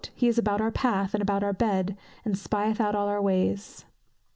"He is about our path and about our bed, and spieth out all our ways."